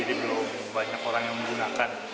jadi belum banyak orang yang menggunakan